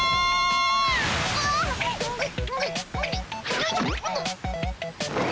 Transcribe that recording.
よいしょ。